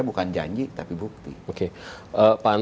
masih sangat berkeliling